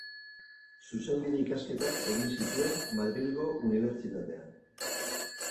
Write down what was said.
Zuzenbide-ikasketak egin zituen Madrilgo Unibertsitatean.